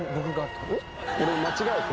間違えて？